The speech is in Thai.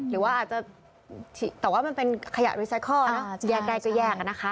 หรือว่าอาจจะแต่ว่ามันเป็นขยะรีไซคอนะแยกได้ก็แยกอะนะคะ